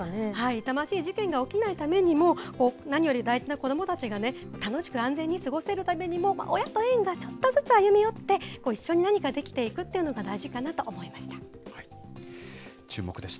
痛ましい事件が起きないためにも、何より大事な子どもたちがね、楽しく安全に過ごせるためにも、親と園がちょっとずつ歩み寄って、一緒に何かできていくっていうのが大事かなと思いました。